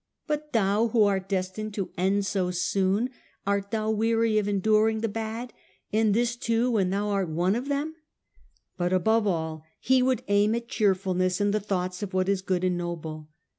But thou, who art destined to end so soon, art thou weary of en during the bad, and this too when thou art one of them 1 ' But above all he would aim at cheerfulness in the thoughts of what is good and noble.